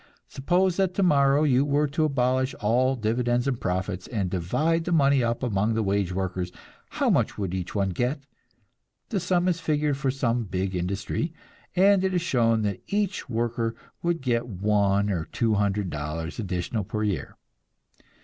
Suppose that tomorrow you were to abolish all dividends and profits, and divide the money up among the wage workers, how much would each one get? The sum is figured for some big industry, and it is shown that each worker would get one or two hundred dollars additional per year.